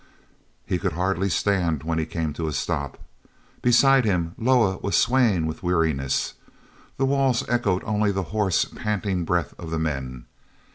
He could hardly stand when he came to a stop. Beside him Loah was swaying with weariness. The walls echoed only the hoarse, panting breath of the men.